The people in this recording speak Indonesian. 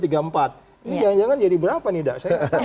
ini jangan jangan jadi berapa nih dak